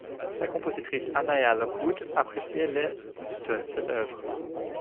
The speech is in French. La compositrice Annea Lockwood appréciait les de cette œuvre.